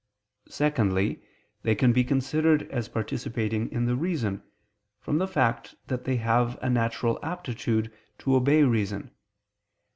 Secondly, they can be considered as participating in the reason, from the fact that they have a natural aptitude to obey reason.